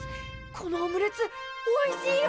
このオムレツおいしいよ！